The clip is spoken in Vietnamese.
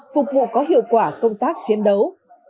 phục vụ có hiệu quả công tác chiến đấu